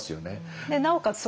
なおかつ